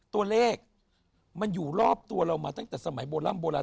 ตัวเลขมันอยู่รอบตัวเรามาตั้งแต่สมัยโบร่ำโบราณ